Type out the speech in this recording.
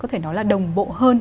có thể nói là đồng bộ hơn